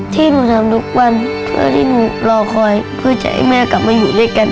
ที่หนูทำทุกวันเพื่อที่หนูรอคอยเพื่อจะให้แม่กลับมาอยู่ด้วยกัน